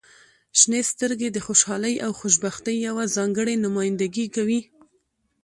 • شنې سترګې د خوشحالۍ او خوشبختۍ یوه ځانګړې نمایندګي کوي.